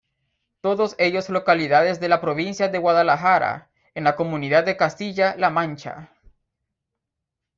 Todos ellos localidades de la provincia de Guadalajara, en la comunidad de Castilla-La Mancha.